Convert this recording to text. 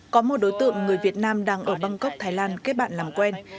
có một đối tượng người việt nam đang ở bangkok thái lan kết bạn làm quen